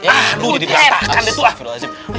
ah bu ditatakan itu ah